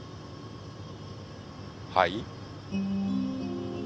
はい？